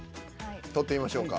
取ってみましょうか。